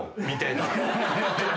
みたいな。